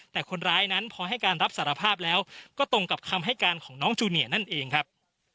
แต่คนร้ายนั้นพอให้การรับสารภาพแล้วก็ตรงกับคำให้การของน้องจูเนียนั่นเองครับ